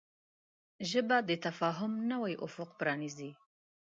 ژبه د تفاهم نوی افق پرانیزي